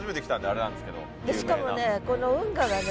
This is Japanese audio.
しかもねこの運河がね